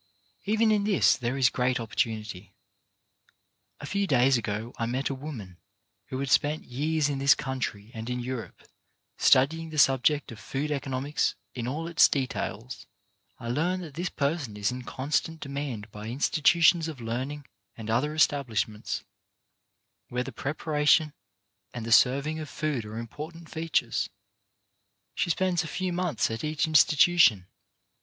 Even in this there is a great opportunity. A few days ago I met a woman who had spent years in this country and in Europe studying the subject of food economics in all its details. I learn that i 3 o CHARACTER BUILDING this person is in constant demand by institutions of learning and other establishments where the preparation and the serving of food are important features. She spends a few months at each in stitution.